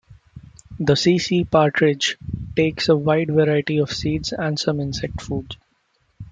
The see-see partridge takes a wide variety of seeds and some insect food.